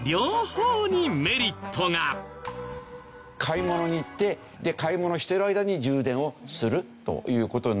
買い物に行って買い物してる間に充電をするという事になる。